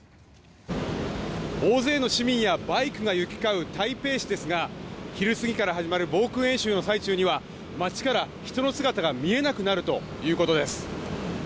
大勢の市民やバイクが行き交う台北市ですが昼過ぎから始まる防空演習の最中には街から人の姿が見えなくなるということです。